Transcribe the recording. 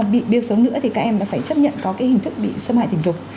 bị biêu xấu nữa thì các em đã phải chấp nhận có cái hình thức bị xâm hại tình dục